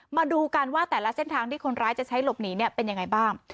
มาดูกันว่าแต่ละเส้นทางที่คนร้ายจะใช้หลบหนีเนี่ยเป็นยังไงบ้าง